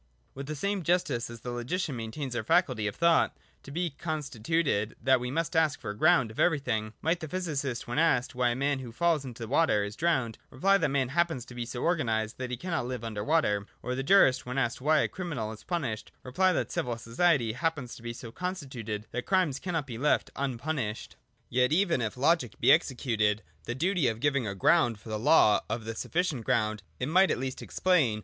With the same justice as the logician maintains our faculty of thought to be so consti tuted that we must ask for the ground of everything, might the physicist, when asked why a man who falls into water is drowned, reply that man happens to be so organised that he cannot live under water ; or the jurist, when asked why a criminal is punished, reply that civil society happens to be so constituted that crimes cannot be left unpunished. Yet even if logic be excused the duty of giving a ground for the law of the sufficient ground, it might at least explain VOL. II. Q 226 THE DOCTRINE OF ESSENCE. [121.